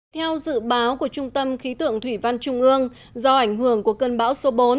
theo dự báo của trung tâm khí tượng thủy văn trung ương do ảnh hưởng của cơn bão số bốn